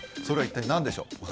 それは一体何でしょう？